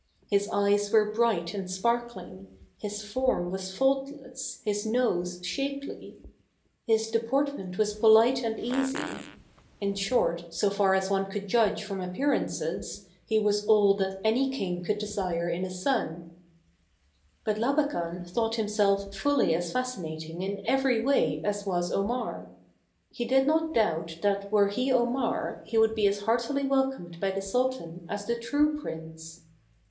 His eyes were bright and sparkling, his form was faultless, his nose shapely. His de portment was polite and easy ; in short, so far as one could judge from appearances, he was all that any king could desire in a son. THE CAB AVAN. 197 But Labakan thought himself fully as fasci nating in every way as was Omar. He did not doubt that were he Omar he would be as heartily welcomed by the sultan as the true prince.